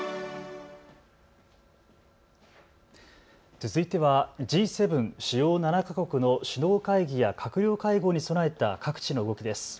続いてはＧ７・主要７か国の首脳会議や閣僚会合に備えた各地の動きです。